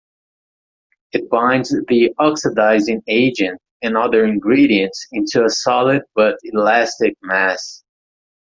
It binds the oxidizing agent and other ingredients into a solid but elastic mass.